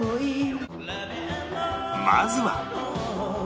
まずは